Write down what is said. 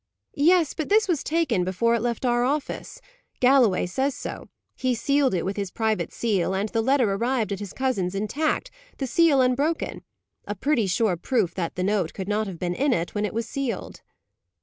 "Yes, but this was taken before it left our office. Galloway says so. He sealed it with his private seal, and the letter arrived at his cousin's intact, the seal unbroken a pretty sure proof that the note could not have been in it when it was sealed."